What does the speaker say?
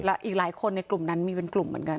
แล้วอีกหลายคนในกลุ่มนั้นมีเป็นกลุ่มเหมือนกัน